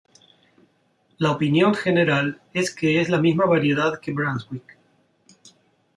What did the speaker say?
La opinión general es que es la misma variedad que 'Brunswick'.